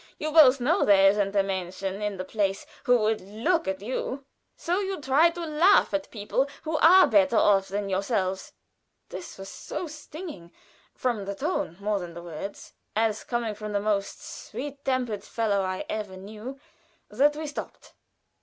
You both know that there isn't a Mädchen in the place who would look at you, so you try to laugh at people who are better off than yourselves." This was so stinging (from the tone more than the words) as coming from the most sweet tempered fellow I ever knew, that we stopped.